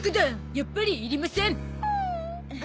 やっぱりいりません。